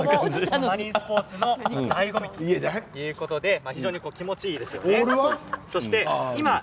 マリンスポーツのだいご味ということで非常に気持ちいいですよね。